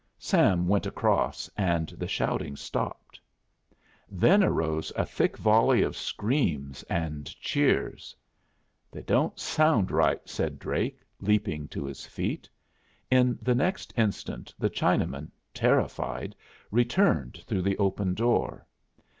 Sam went across, and the shouting stopped. Then arose a thick volley of screams and cheers. "That don't sound right," said Drake, leaping to his feet. In the next instant the Chinaman, terrified, returned through the open door.